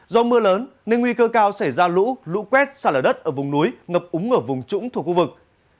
do mưa lớn nên nguy cơ cao xảy ra lũ lũ quét xa lở đất ở vùng núi ngập úng ở vùng trũng thuộc khu vực